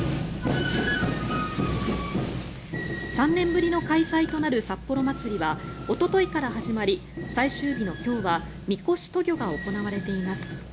３年ぶりの開催となる札幌まつりはおとといから始まり最終日の今日は神輿渡御が行われています。